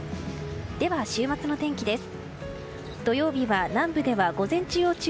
では、週末の天気です。